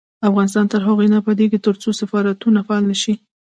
افغانستان تر هغو نه ابادیږي، ترڅو سفارتونه فعال نشي.